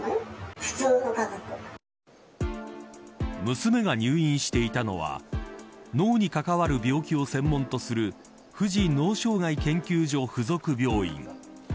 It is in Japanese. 娘が入院していたのは脳に関わる病気を専門とする富士脳障害研究所附属病院。